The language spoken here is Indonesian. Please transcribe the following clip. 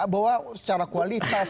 bahwa secara kualitas